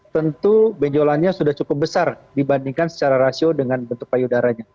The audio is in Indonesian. tentu benjolannya sudah cukup besar dibandingkan secara rasio dengan bentuk payudaranya